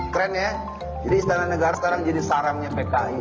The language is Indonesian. keren ya jadi istana negara sekarang jadi sarangnya pki